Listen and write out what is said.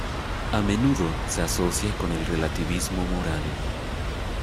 A menudo se asocia con el relativismo moral.